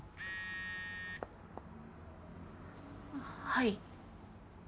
はい。